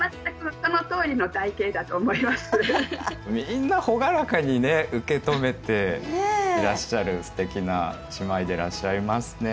みんな朗らかに受け止めていらっしゃるすてきな姉妹でいらっしゃいますね。